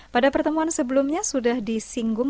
pada pertemuan sebelumnya sudah disinggung